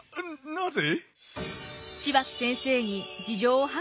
なぜ？